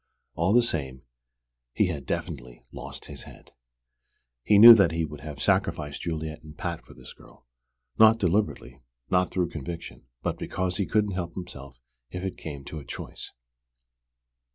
All the same, he had definitely "lost his head." He knew that he would have sacrificed Juliet and Pat for this girl, not deliberately, not through conviction, but because he couldn't help himself if it came to a choice!